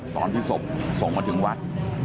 ตอนที่ศพส่งมาถึงวัด